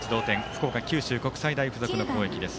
福岡、九州国際大付属の攻撃です。